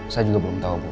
saya juga belum tahu bu